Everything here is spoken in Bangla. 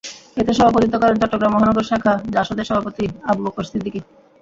এতে সভাপতিত্ব করেন চট্টগ্রাম মহানগর শাখা জাসদের সভাপতি আবু বক্কর সিদ্দিকী।